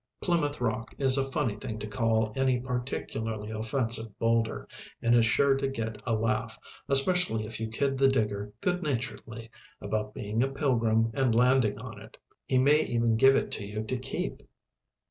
"Plymouth Rock" is a funny thing to call any particularly offensive boulder, and is sure to get a laugh, especially if you kid the digger good naturedly about being a Pilgrim and landing on it. He may even give it to you to keep.